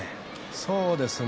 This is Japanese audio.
そうですね。